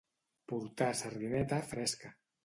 Portar sardineta fresca.